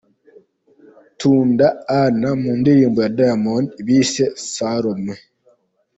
Tunda Anna mu ndirimbo ya Diamond bise 'Salome'.